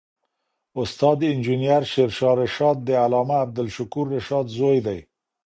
استاد انجینر شېرشاه رشاد د علامه عبدالشکور رشاد زوی دی